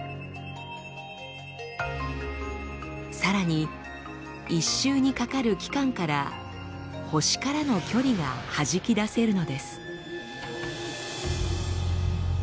さらに１周にかかる期間から星からの距離がはじき出せるのです。